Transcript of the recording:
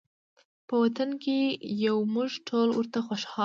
په وطن کې یو مونږ ټول ورته خوشحاله